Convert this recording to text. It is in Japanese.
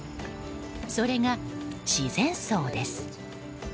それが、自然葬です。